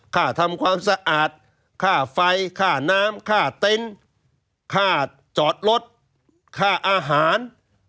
ข้าทำความสะอาดข้าไฟข้าน้ำข้าเต็นข้าจอดรถข้าอาหาร